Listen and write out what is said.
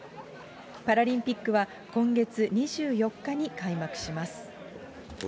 パラリンピックは、今月２４日に開幕します。